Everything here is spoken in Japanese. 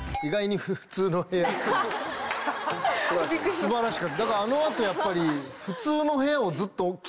素晴らしかっただから。